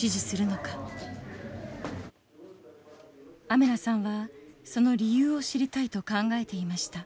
アメナさんはその理由を知りたいと考えていました。